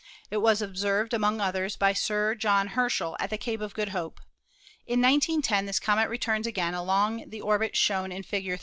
It was observed, among others, by Sir John Herschel at the Cape of Good Hope. In 1910 this comet returns again along the orbit shown in Fig.